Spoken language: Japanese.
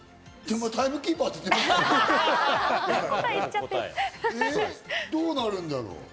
タイムキーパーって言ってるから、どうなるんだろう？